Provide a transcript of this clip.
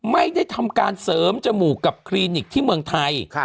ไม่ได้ทำการเสริมจมูกกับคลินิกที่เมืองไทย